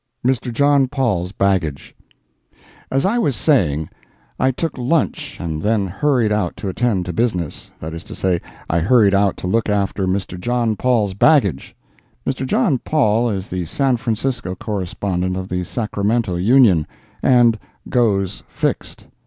MR. JOHN PAUL'S BAGGAGE As I was saying, I took lunch, and then hurried out to attend to business—that is to say, I hurried out to look after Mr. John Paul's baggage. Mr. John Paul is the San Francisco correspondent of the Sacramento Union, and "goes fixed."